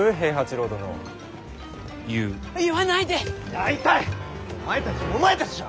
大体お前たちもお前たちじゃ！